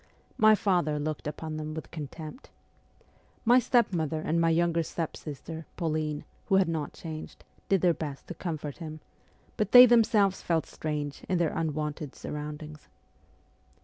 My father looked upon them with contempt. My step mother and my younger step sister, Pauline, who had not changed, did their best to comfort him ; but they themselves felt strange in their unwonted surround ings.